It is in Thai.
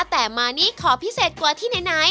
แต่มานี่ขอพิเศษกว่าที่ไหน